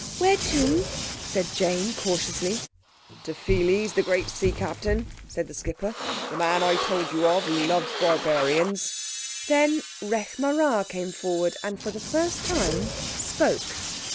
"Where to?" said Jane cautiously. "To Pheles, the great sea captain, said the skipper, "the man I told you of, who loves barbarians." Then Rekh marā came forward, and, for the first time, spoke.